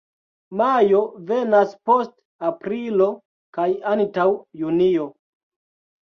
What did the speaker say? Majo venas post aprilo kaj antaŭ junio.